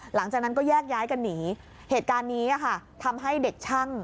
หลังจากนั้นก็แยกย้ายกันหนีเหตุการณ์นี้ค่ะทำให้เด็กช่าง